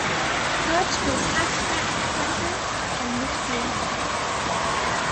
Hodge plays half-back flanker and midfield.